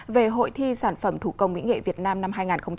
về hội thi sản phẩm thủ công mỹ nghệ việt nam năm hai nghìn hai mươi